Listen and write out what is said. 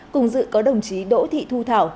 cùng dự có đồng chí đỗ thị thu thảo